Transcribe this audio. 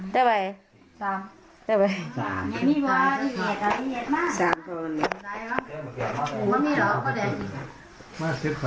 ได้ไหม